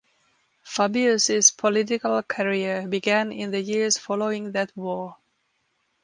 Fabius' political career began in the years following that war.